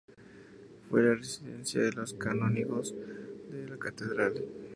Fue la residencia de los canónigos de la catedral.